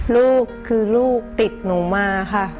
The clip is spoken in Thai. ลูกคือลูกติดหนูมาค่ะ